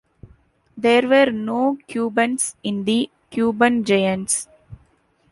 There were no Cubans in the "Cuban Giants".